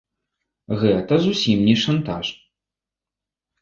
Гэта зусім не шантаж.